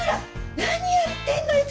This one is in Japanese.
何やってんのよ？